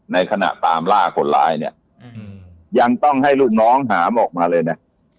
ในขณะตามล่าคนร้ายเนี่ยยังต้องให้ลูกน้องหามออกมาเลยนะ